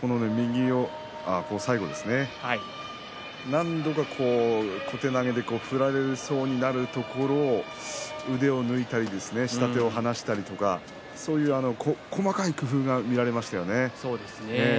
何度か小手投げで振られそうになるところを腕を抜いたりですね下手を離したりとか細かい工夫が見られましたよね。